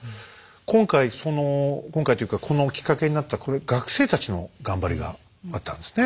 今回その今回っていうかこのきっかけになった学生たちの頑張りがあったんですね。